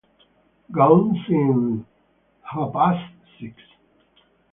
Gone since ha' past six.